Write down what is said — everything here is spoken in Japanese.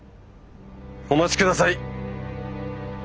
お待ちください。